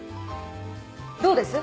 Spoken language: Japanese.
どうです？